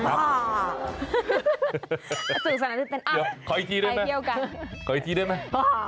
ขออีกทีด้วยมั้ย